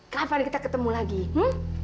kapan kita ketemu lagi hmm